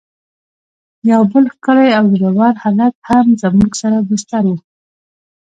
یو بل ښکلی او زړه ور هلک هم زموږ سره بستر و.